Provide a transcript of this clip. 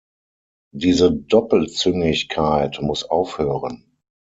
Diese Doppelzüngigkeit muss aufhören.